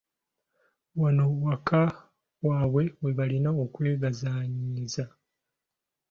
Wano waka waabwe we balina okwegazaanyiza.